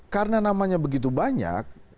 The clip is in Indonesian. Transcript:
karena namanya begitu banyak